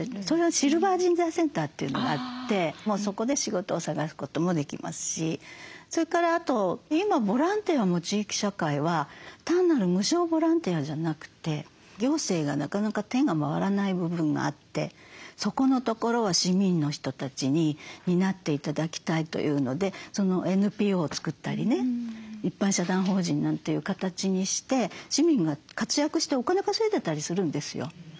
それはシルバー人材センターというのがあってそこで仕事を探すこともできますしそれからあと今ボランティアも地域社会は単なる無償ボランティアじゃなくて行政がなかなか手が回らない部分があってそこのところは市民の人たちに担って頂きたいというのでＮＰＯを作ったりね一般社団法人なんていう形にして市民が活躍してお金稼いでたりするんですよ。